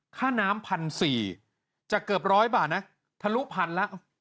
ค่าน้ำพันสี่จะเกือบร้อยบาทนะทะลุพันละ